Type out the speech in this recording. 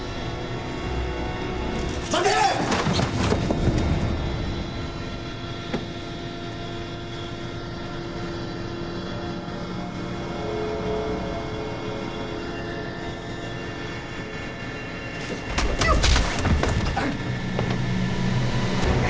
待て！あっ。